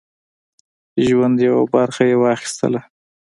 ژوند یوه برخه یې واخیستله.